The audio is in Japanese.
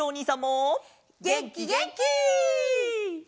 げんきげんき！